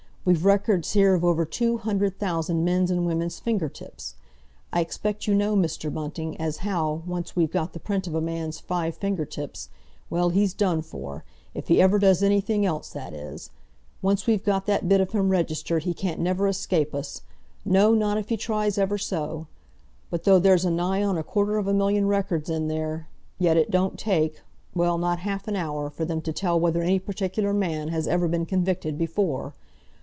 We've records here of over two hundred thousand men's and women's finger tips! I expect you know, Mr. Bunting, as how, once we've got the print of a man's five finger tips, well, he's done for—if he ever does anything else, that is. Once we've got that bit of him registered he can't never escape us—no, not if he tries ever so. But though there's nigh on a quarter of a million records in there, yet it don't take—well, not half an hour, for them to tell whether any particular man has ever been convicted before!